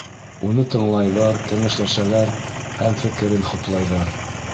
Уны тыңлайҙар, кәңәшләшәләр һәм фекерен хуплайҙар.